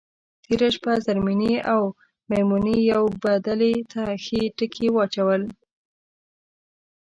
تېره شپه زرمېنې او میمونې یوې بدلې ته ښه ټکي واچول.